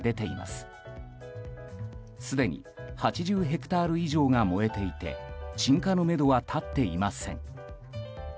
すでに８０ヘクタール以上が燃えていて鎮火のめどは立っていません。